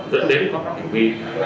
dẫn đến các hành vi